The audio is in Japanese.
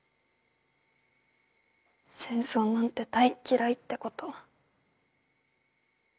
戦争なんて大っ嫌いってこと。